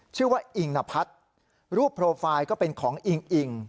ชื่อว่าอิงนพัทรรูปโปรไฟล์ก็เป็นของอิง